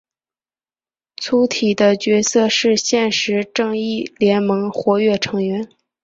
粗体的角色是现时正义联盟活跃成员。